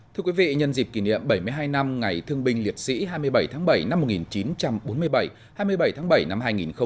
thưa quý vị nhân dịp kỷ niệm bảy mươi hai năm ngày thương binh liệt sĩ hai mươi bảy tháng bảy năm một nghìn chín trăm bốn mươi bảy hai mươi bảy tháng bảy năm hai nghìn một mươi chín